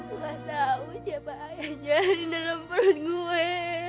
gue ga tau siapa ayahnya di dalam perut gue